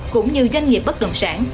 cũng như doanh nghiệp bất đồng sản